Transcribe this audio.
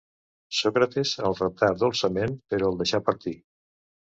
Sòcrates el reptà dolçament, però el deixà partir